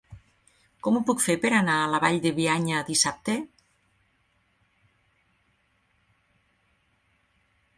Com ho puc fer per anar a la Vall de Bianya dissabte?